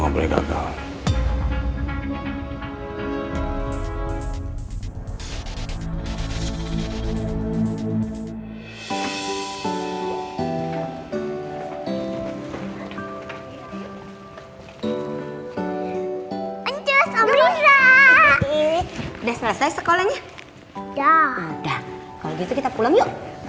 kalau gitu kita pulang yuk